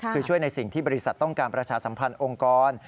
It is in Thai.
คือช่วยในสิ่งที่บริษัทต้องการประชาสัมพันธ์องค์กร